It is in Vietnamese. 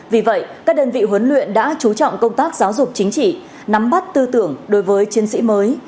vì vậy các đơn vị huấn luyện đã chú trọng công tác giáo dục chính trị nắm bắt tư tưởng đối với chiến sĩ mới